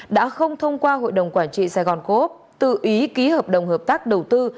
đã không thông qua hội đồng quản trị sài gòn cố úc tự ý ký hợp đồng hợp tác đầu tư